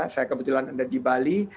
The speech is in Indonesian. saya kebetulan ada di bali